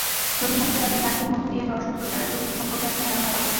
ছবি মুক্তির আগে গানটির মধ্য দিয়ে দর্শক-শ্রোতারা ছবিটি সম্পর্কে একটা ধারণা পাবেন।